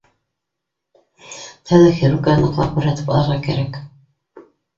— Тәүҙә хирургҡа ныҡлап күрһәтеп алырға кәрәк